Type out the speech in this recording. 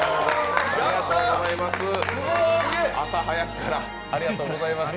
朝早くからありがとうございます。